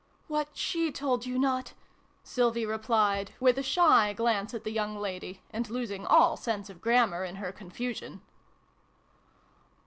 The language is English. " What she told you not," Sylvie replied, with a shy glance at the young lady, and losing all sense of grammar in her confusion.